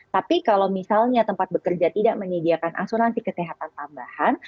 tapi kalau misalnya tempat bekerja tidak menyediakan asuransi kesehatan tambahan